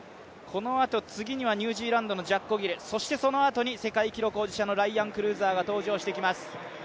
次にはニュージーランドのジャッコ・ギルそしてそのあとに世界記録保持者のライアン・クルーザーが登場してきます。